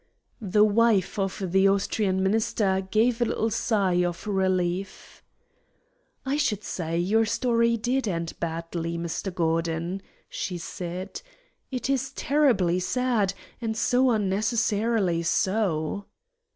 The wife of the Austrian Minister gave a little sigh of relief. "I should say your story did end badly, Mr. Gordon," she said. "It is terribly sad, and so unnecessarily so."